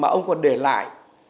mà ông còn để lại